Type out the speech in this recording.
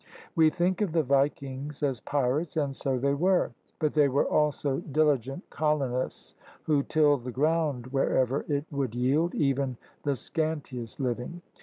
We think of the vikings as pirates, and so they were. But they were also diligent colonists who tilled the ground wherever it would yield even the scantiest living.